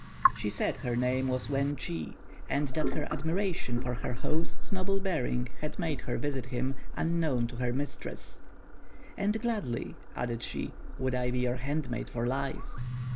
She said her name was Wên chi, and that her admiration for her host's noble bearing had made her visit him, unknown to her mistress. "And gladly," added she, "would I be your handmaid for life."